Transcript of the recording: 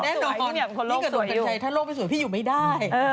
พี่ก็โรคสวยถ้าโรคไม่สวยพี่อยู่ไม่ได้